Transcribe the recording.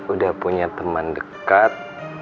udah punya teman dekat